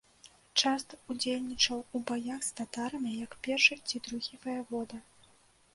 Часта ўдзельнічаў у баях з татарамі як першы ці другі ваявода.